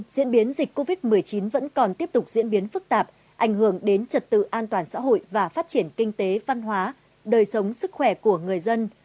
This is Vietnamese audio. diễn biến dịch covid một mươi chín vẫn còn tiếp tục diễn biến phức tạp ảnh hưởng đến trật tự an toàn xã hội và phát triển kinh tế văn hóa đời sống sức khỏe của người dân